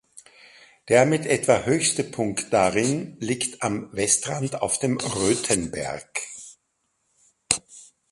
Der mit etwa höchste Punkt darin liegt am Westrand auf dem "Rötenberg".